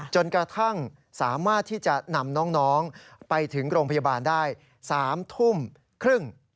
จนกระทั่งสามารถที่จะนำน้องไปถึงโรงพยาบาลได้๓ทุ่มครึ่ง